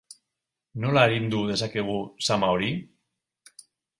Nola arindu dezakegu zama hori?